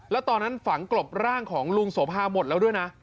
แล้วตอนนั้นฝังกลบร่างของลุงโสภาหมดแล้วด้วยนะ